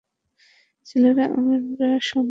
ছেলেরা, আমরা সংখ্যায় কম।